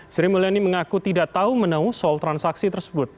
sri mulyani mengaku tidak tahu menahu soal transaksi tersebut